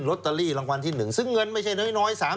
ตเตอรี่รางวัลที่๑ซึ่งเงินไม่ใช่น้อย